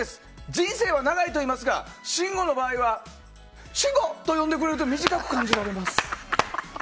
人生は長いといいますが信五の場合は「しんご」と呼んでくれると短く感じられます。